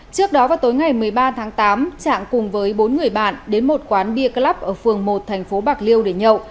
trước đó vào tối ngày một mươi ba tháng tám trạng cùng với bốn người bạn đến một quán bia club ở phường một thành phố bạc liêu để nhậu